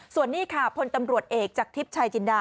ส่วนนี้ค่ะพลตำรวจเอกจากทิพย์ชายจินดา